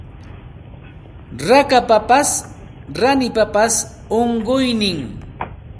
Rakapapas lanipapas unquynin